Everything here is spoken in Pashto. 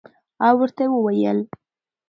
او ورته ووېل